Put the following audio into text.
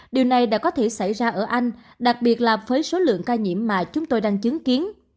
điều này đã có thể xảy ra ở anh đặc biệt là với số lượng ca nhiễm mà chúng tôi đang chứng kiến